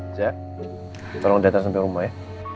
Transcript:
tolong datang sampai rumah ya